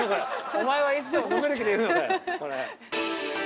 お前はいつでも飲める気でいるのかよ、これ。